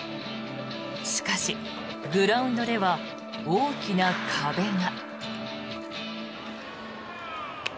しかし、グラウンドでは大きな壁が。